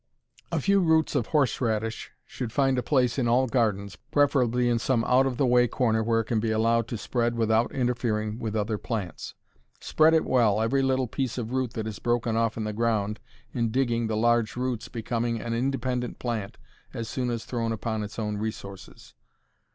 A few roots of horseradish should find a place in all gardens, preferably in some out of the way corner where it can be allowed to spread without interfering with other plants. Spread it will, every little piece of root that is broken off in the ground in digging the large roots becoming an independent plant as soon as thrown upon its own resources.